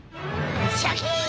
シャキン！